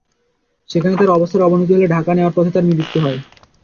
সেখানে তাঁর অবস্থার অবনতি হলে ঢাকা নেওয়ার পথে তাঁর মৃত্যু হয়।